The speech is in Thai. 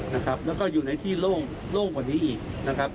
แล้วก็อยู่ในที่โล่งกว่านี้อีกนะครับ